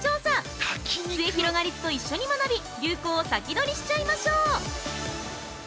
すゑひろがりずと一緒に学び、流行を先取りしちゃいましょう！